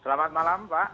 selamat malam pak